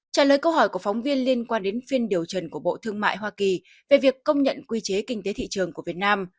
trả lời câu hỏi của phóng viên liên quan đến phiên điều trần của bộ thương mại hoa kỳ về việc công nhận quy chế kinh tế thị trường của việt nam